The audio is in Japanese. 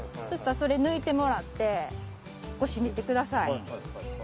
そしたらそれ抜いてもらってこ閉めてください。